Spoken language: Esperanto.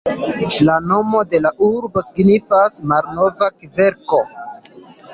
La nomo de la urbo signifas "malnova kverko".